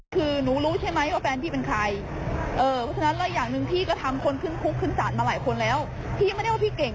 คือจะว่าพี่ทำคุณทำทานแล้วกัน